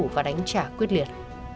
và đánh trả quyết liệt